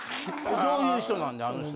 そういう人なんであの人。